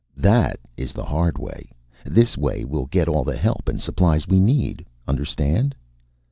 "That is the hard way. This way we get all the help and supplies we need, understand?"